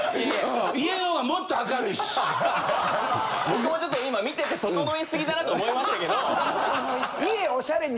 僕もちょっと今見てて整いすぎだなと思いましたけど。